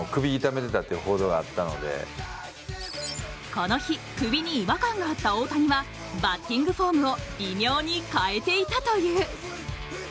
この日、首に違和感があった大谷はバッティングフォームを微妙に変えていたという。